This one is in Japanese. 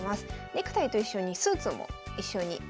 ネクタイと一緒にスーツも一緒に。